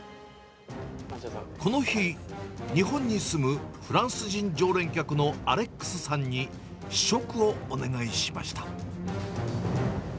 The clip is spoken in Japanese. この日、日本に住むフランス人常連客のアレックスさんに、試食をお願いしました。